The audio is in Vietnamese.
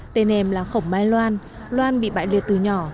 tên em là khổng mai loan loan bị bại liệt từ nhỏ